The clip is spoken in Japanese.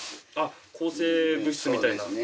あっ抗生物質みたいな。